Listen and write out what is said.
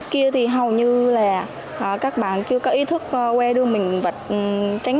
kia thì hầu như là các bạn chưa có ý thức quay đường mình vạch tránh